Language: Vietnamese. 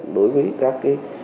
đối với các cái